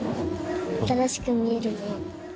新しく見えるよね。